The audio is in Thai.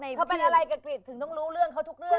ไอ้เด็กถึงต้องรู้เรื่องเค้าทุกเรื่อง